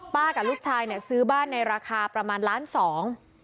ป้ากับลูกชายซื้อบ้านในราคาประมาณล้านสอง